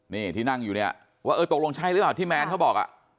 นี่ที่นั่งอยู่เนี่ยว่าเออตกลงใช่หรือเปล่าที่แมนเขาบอกอ่ะ